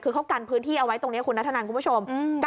คือเขากันพื้นที่เอาไว้ตรงนี้คุณนัทธนันคุณผู้ชม